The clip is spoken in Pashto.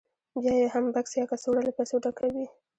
بیا یې هم بکس یا کڅوړه له پیسو ډکه وي